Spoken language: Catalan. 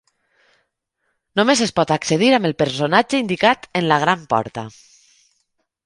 Només es pot accedir amb el personatge indicat en la gran porta.